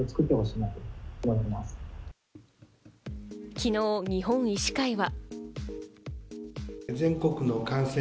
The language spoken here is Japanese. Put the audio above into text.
昨日、日本医師会は。